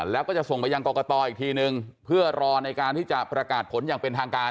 แล้วก็จะส่งไปยังกรกตอีกทีนึงเพื่อรอในการที่จะประกาศผลอย่างเป็นทางการ